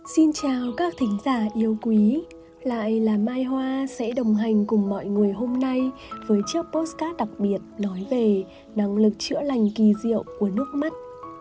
xin chào các thính giả yêu quý lại là mai hoa sẽ đồng hành cùng mọi người hôm nay với chiếc post card đặc biệt nói về năng lực chữa lành kỳ diệu của nước mắt